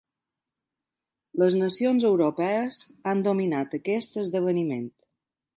Les nacions europees han dominat aquest esdeveniment.